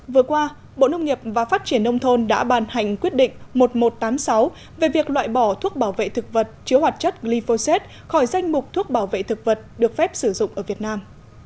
vừa qua bộ nông nghiệp và phát triển nông thôn đã bàn hành quyết định một nghìn một trăm tám mươi sáu về việc loại bỏ thuốc bảo vệ thực vật chứa hoạt chất glyphosate khỏi danh mục thuốc bảo vệ thực vật được phép sử dụng ở việt nam